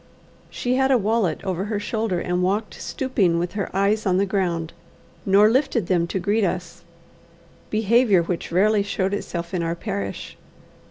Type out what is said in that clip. She had a wallet over her shoulder, and walked stooping with her eyes on the ground, nor lifted them to greet us behaviour which rarely showed itself in our parish.